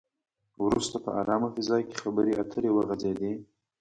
وروسته په ارامه فضا کې خبرې اترې وغځېدې.